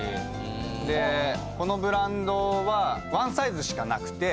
でこのブランドはワンサイズしかなくて。